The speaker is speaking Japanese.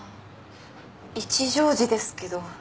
一乗寺ですけど。